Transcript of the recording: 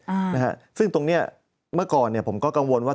ก่อเหตุนะครับซึ่งตรงนี้เมื่อก่อนผมก็กังวลว่า